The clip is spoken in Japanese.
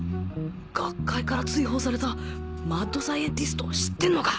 学会から追放されたマッド・サイエンティストを知ってんのか！？